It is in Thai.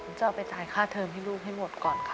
จะเอาไปจ่ายค่าเทอมให้ลูกให้หมดก่อนค่ะ